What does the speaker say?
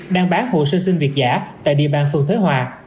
đang bán hồ sơ xin việc giả tại địa bàn phường thới hòa